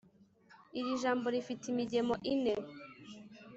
iri jambo rifite imigemo ine.